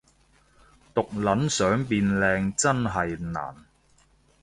毒撚想變靚真係難